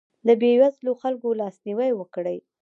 د بېوزلو خلکو لاسنیوی وکړئ.